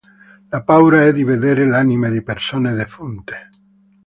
La paura è di vedere le anime di persone defunte.